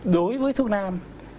đối với thương nam